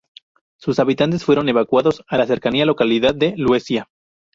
Sus habitantes fueron evacuados a la cercana localidad de Luesia.